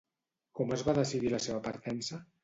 Com es va decidir la seva partença?